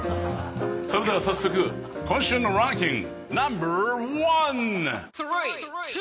それでは早速今週のランキングナンバー１！